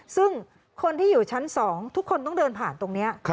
ซึ่งคนที่อยู่ชั้น๒ทุกคนต้องเดินผ่านตรงนี้